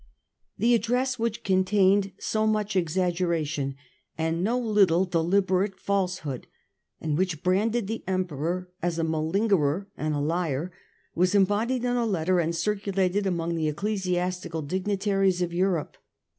This address, which contained so much exaggeration and no little deliberate falsehood, and which branded the Emperor as a malingerer and a liar, was embodied in a letter and circulated among the ecclesiastical dignitaries of Europe.